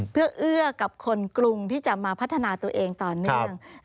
เพื่อเอื้อกับคนกรุงที่จะมาพัฒนาตัวเองต่อเนื่อง